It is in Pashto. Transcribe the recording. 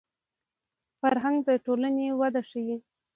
فرهنګ د ټولنې وده ښيي